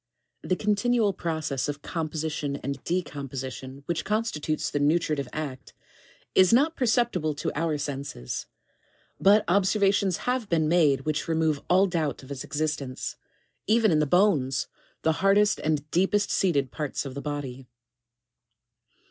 9. The continual process of composition and decomposition which constitutes the nutritive act, is not perceptible to our senses ; but observations have been made which remove all doubt of its existence, even in the bones, the hardest and deepest seated parts of the body.